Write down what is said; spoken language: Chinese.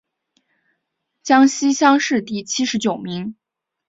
江西乡试第七十九名。